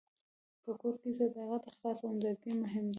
په کور کې صداقت، اخلاص او همدردي مهم دي.